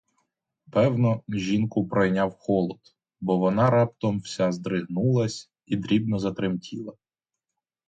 Певно, жінку пройняв холод, бо вона раптом уся здригнулась і дрібно затремтіла.